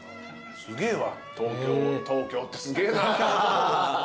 すげえわ。